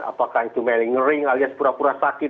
apakah itu melingering alias pura pura sakit